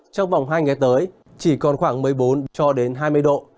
trong vòng hai ngày tới chỉ còn khoảng một mươi bốn cho đến hai mươi độ